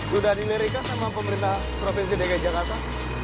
sudah dinerikan sama pemerintah provinsi dg jakarta